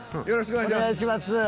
よろしくお願いします。